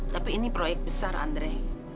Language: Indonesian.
tapi ini proyek besar andre